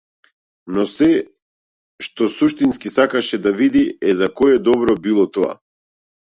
Но сѐ што суштински сакаше да види е за кое добро било тоа.